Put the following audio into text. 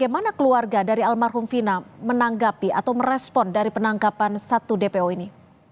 bagaimana keluarga dari almarhum vina menanggapi atau merespon dari penangkapan satu dpo ini